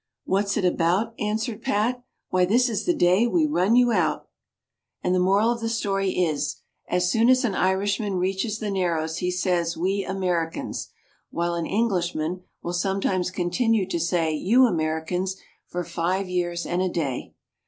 "What's it about?" answered Pat. "Why, this is the day we run you out!" And the moral of the story is that as soon as an Irishman reaches the Narrows he says "we Americans," while an Englishman will sometimes continue to say "you Americans" for five years and a day.